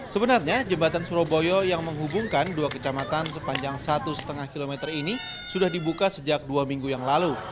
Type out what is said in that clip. sebenarnya jembatan surabaya yang menghubungkan dua kecamatan sepanjang satu lima km ini sudah dibuka sejak dua minggu yang lalu